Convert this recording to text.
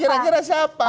ya kira kira siapa